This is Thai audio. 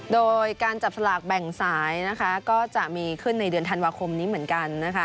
โดยการจับสลากแบ่งสายนะคะก็จะมีขึ้นในเดือนธันวาคมนี้เหมือนกันนะคะ